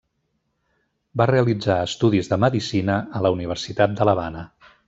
Va realitzar estudis de Medicina a la Universitat de l'Havana.